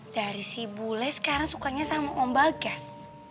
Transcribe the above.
dari si bule sekarang sukanya sama ombal gas